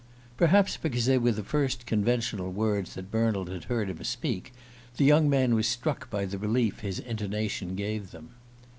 Perhaps because they were the first conventional words that Bernald had heard him speak, the young man was struck by the relief his intonation gave them.